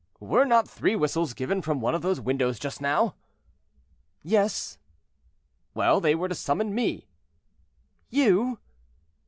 "Were not three whistles given from one of those windows just now?" "Yes." "Well, they were to summon me." "You?"